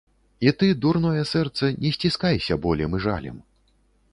І ты, дурное сэрца, не сціскайся болем і жалем.